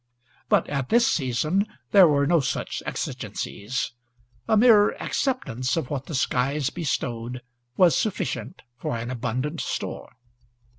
But at this season there were no such exigencies; a mere acceptance of what the skies bestowed was sufficient for an abundant store.